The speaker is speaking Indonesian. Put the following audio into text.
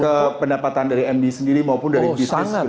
ke pendapatan dari md sendiri maupun dari bisnis